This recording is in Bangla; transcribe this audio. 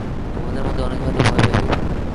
তোমাদের মধ্যে অনেকে হয়তো ভয় পাইবে।